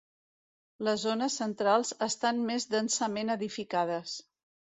Les zones centrals estan més densament edificades.